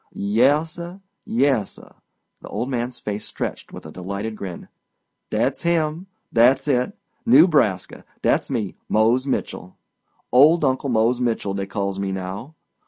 "Yassir, yassir,"—the old man's face stretched with a delighted grin—"dat's him, dat's it. Newbraska. Dat's me—Mose Mitchell. Old Uncle Mose Mitchell, dey calls me now.